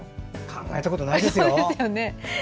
考えたことないですね。